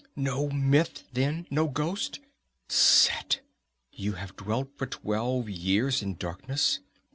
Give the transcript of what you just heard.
"No myth, then, no ghost! Set! You have dwelt for twelve years in darkness!